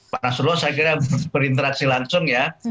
pak nasrullah saya kira berinteraksi langsung ya